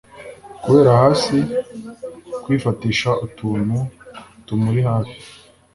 kureba hasi, kwifatisha utuntu tumuri hafi